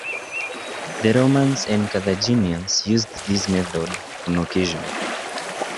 The Romans and Carthaginians used this method on occasion.